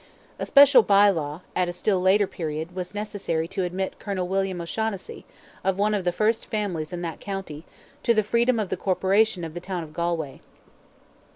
A special bye law, at a still later period, was necessary to admit Colonel William O'Shaughnessy, of one of the first families in that county, to the freedom of the Corporation of the town of Galway.